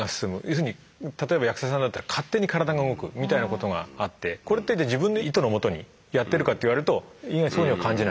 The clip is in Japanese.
要するに例えば役者さんだったら勝手に体が動くみたいなことがあってこれって自分の意図のもとにやってるかって言われると意外にそうには感じない。